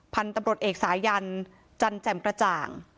พันธุ์ตำรวจเอกสายันจันแจ่มกระจ่าง